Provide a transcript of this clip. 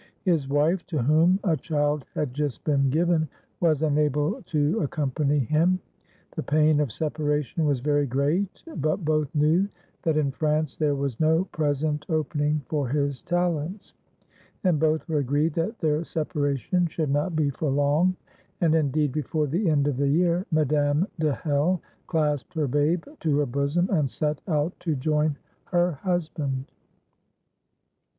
His wife, to whom a child had just been given, was unable to accompany him. The pain of separation was very great, but both knew that in France there was no present opening for his talents, and both were agreed that their separation should not be for long. And, indeed, before the end of the year, Madame de Hell clasped her babe to her bosom, and set out to join her husband.